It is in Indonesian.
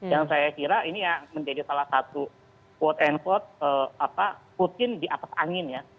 yang saya kira ini yang menjadi salah satu quote unquote putin di atas angin ya